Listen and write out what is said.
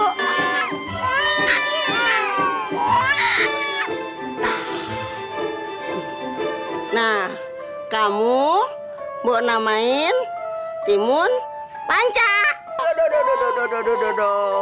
hai nah kamu mau namain timun banca boat